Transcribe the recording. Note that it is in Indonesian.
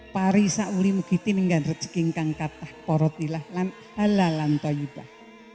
pari sauli mugiti nenggan rejeki engkang katah porotilah lan halal lantai ibah